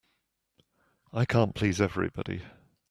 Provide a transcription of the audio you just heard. I can't please everybody.